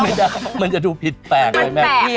ไม่ได้เพราะมันจะถูกผิดแปลกเลยแม่